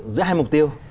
giữa hai mục tiêu